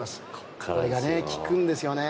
これが効くんですよね。